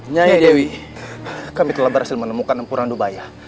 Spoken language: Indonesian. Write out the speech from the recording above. nyai dewi kami telah berhasil menemukan empuran dubaya